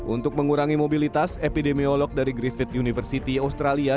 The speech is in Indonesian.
untuk mengurangi mobilitas epidemiolog dari griffith university australia